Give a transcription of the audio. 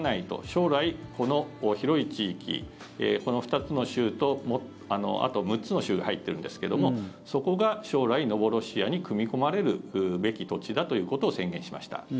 将来、この広い地域この２つの州とあと６つの州が入っているんですけどもそこが将来ノボロシアに組み込まれるべき土地だということを宣言しました。